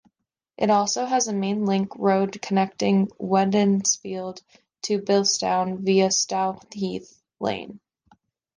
It also has a main link road connecting Wednesfield to Bilston via Stowheath Lane.